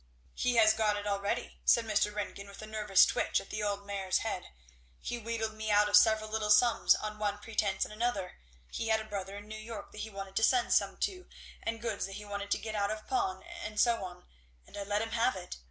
"He has got it already!" said Mr. Ringgan, with a nervous twitch at the old mare's head; "he wheedled me out of several little sums on one pretence and another, he had a brother in New York that he wanted to send some to, and goods that he wanted to get out of pawn, and so on, and I let him have it!